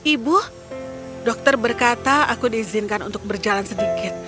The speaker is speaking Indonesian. ibu dokter berkata aku diizinkan untuk berjalan sedikit